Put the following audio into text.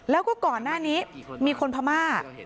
แล้วก็ก่อนหน้านี้มีคนพม่า